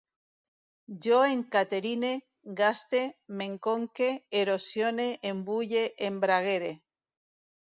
Jo encaterine, gaste, m'enconque, erosione, embulle, embraguere